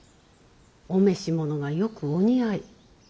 お召し物がよくお似合い。